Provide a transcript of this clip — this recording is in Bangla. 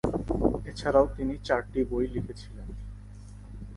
এছাড়াও তিনি চারটি বই লিখেছিলেন।